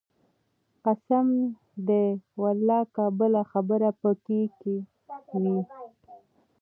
قسم دى ولله که بله خبره پکښې کښې وي.